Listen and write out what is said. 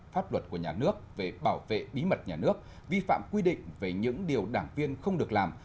pháp luật của nhà nước về bảo vệ bí mật nhà nước vi phạm quy định về những điều đảng viên không được làm